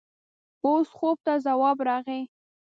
اوس خوب ته ځواب راغی.